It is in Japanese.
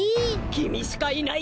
きみしかいない！